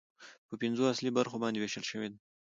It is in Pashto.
په پنځو اصلي برخو باندې ويشلې ده